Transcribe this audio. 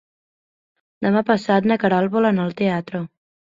Demà passat na Queralt vol anar al teatre.